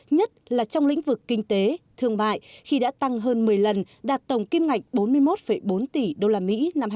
nhất là trong lĩnh vực kinh tế thương mại khi đã tăng hơn một mươi lần đạt tổng kim ngạch bốn mươi một bốn tỷ usd năm hai nghìn một mươi tám